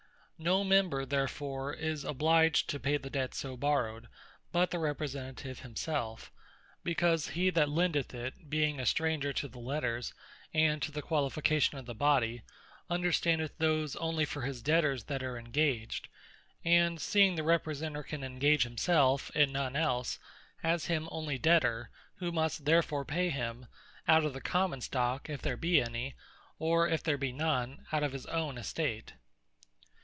No member therefore is obliged to pay the debt so borrowed, but the Representative himselfe: because he that lendeth it, being a stranger to the Letters, and to the qualification of the Body, understandeth those onely for his debtors, that are engaged; and seeing the Representer can ingage himselfe, and none else, has him onely for Debtor; who must therefore pay him, out of the common stock (if there be any), or (if there be none) out of his own estate.